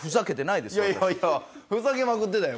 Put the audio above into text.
いやいやいやふざけまくってたよ